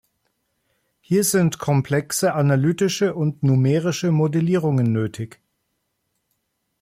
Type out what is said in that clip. Hier sind komplexe analytische und numerische Modellierungen nötig.